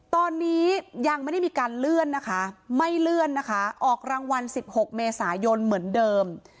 ตอนนี้ยังไม่ได้มีการเลื่อนนะคะไม่เลื่อนนะคะออกรางวัล๑๖เมษายนเหมือนเดิม